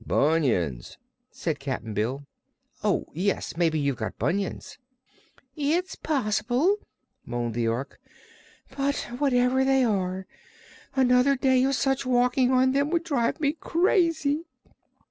"Bunions," said Cap'n Bill. "Oh, yes; mebbe you've got bunions." "It is possible," moaned the Ork. "But whatever they are, another day of such walking on them would drive me crazy."